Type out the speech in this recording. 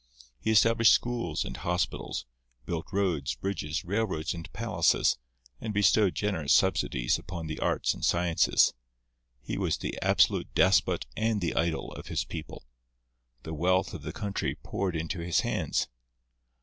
He established schools and hospitals, built roads, bridges, railroads and palaces, and bestowed generous subsidies upon the arts and sciences. He was the absolute despot and the idol of his people. The wealth of the country poured into his hands.